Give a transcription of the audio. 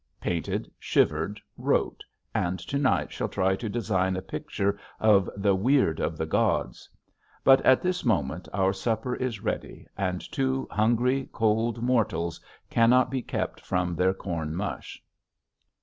Painted, shivered, wrote, and to night shall try to design a picture of the "Weird of the Gods." But at this moment our supper is ready and two hungry, cold mortals cannot be kept from their corn mush.